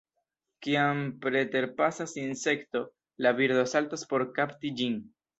Kiam preterpasas insekto, la birdo saltas por kapti ĝin.